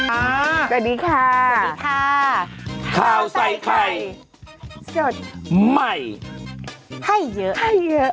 สวัสดีค่ะสวัสดีค่ะข้าวใส่ไข่สดใหม่ให้เยอะให้เยอะ